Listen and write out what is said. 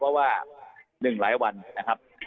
เพราะว่า๑หลายวันนะครับ